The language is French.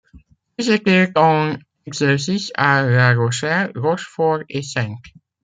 Ils étaient en exercice à La Rochelle, Rochefort et Saintes.